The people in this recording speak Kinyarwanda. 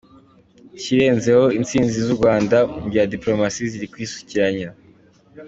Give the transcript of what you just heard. Ikirenzeho, intsinzi z’u Rwanda mu bya dipolomasi ziri kwisukiranya.